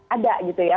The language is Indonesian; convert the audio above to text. ada gitu ya